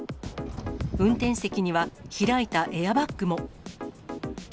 運転席には、開いたエアバッグも。